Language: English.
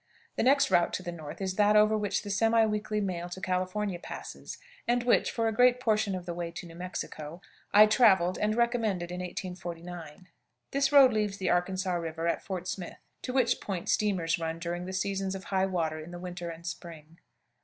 The next route to the north is that over which the semi weekly mail to California passes, and which, for a great portion of the way to New Mexico, I traveled and recommended in 1849. This road leaves the Arkansas River at Fort Smith, to which point steamers run during the seasons of high water in the winter and spring.